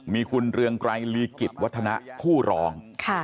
มีคุณเรืองไกรลีกิจวัฒนะผู้ร้อง